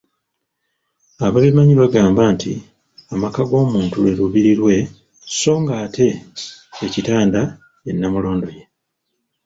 Ababimanyi bagamba nti amaka g‘omuntu lwe Lubiri lwe so ng‘ate ekitanda ye Nnamulondoye.